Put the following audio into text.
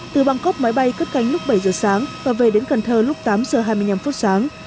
từ bangkok máy bay cất cánh lúc bảy giờ sáng và về đến cần thơ lúc tám giờ hai mươi năm phút sáng